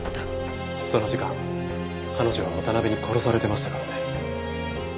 その時間彼女は渡辺に殺されてましたからね。